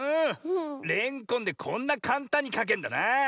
レンコンでこんなかんたんにかけんだなあ。